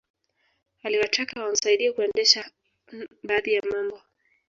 Aliwataka wamsaidie kuendesha baadhi ya mambo